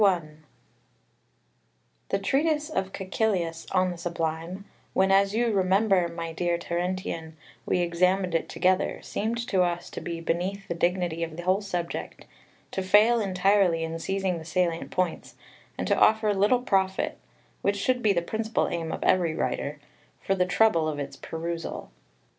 A. L. I 1 The treatise of Caecilius on the Sublime, when, as you remember, my dear Terentian, we examined it together, seemed to us to be beneath the dignity of the whole subject, to fail entirely in seizing the salient points, and to offer little profit (which should be the principal aim of every writer) for the trouble of its perusal.